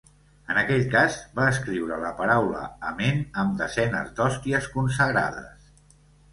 En aquell cas va escriure la paraula amén amb desenes d’hòsties consagrades.